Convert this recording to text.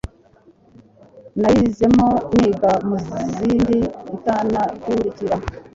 nayizemo niga no muzindi itanakurikira